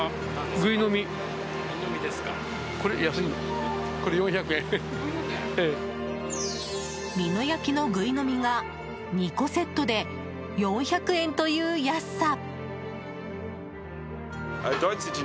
美濃焼きの、ぐいのみが２個セットで４００円という安さ。